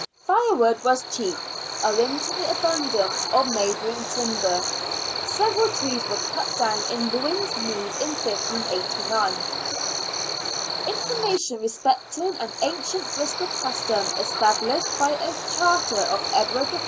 Firewood was cheap, owing to the abundance of neighbouring timber. Several trees were cut down in Lewins Mead in 1589. Information respecting an ancient Bristol custom, established by a charter of Edward III.